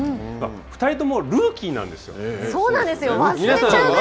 ２人ともルーキーなんですよ。